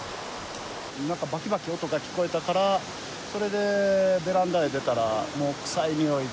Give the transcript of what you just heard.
なんかばきばき音が聞こえたから、それでベランダへ出たら、もう臭いにおいで。